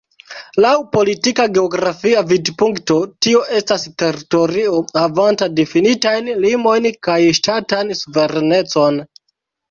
Laŭ politika-geografia vidpunkto, tio estas teritorio havanta difinitajn limojn kaj ŝtatan suverenecon.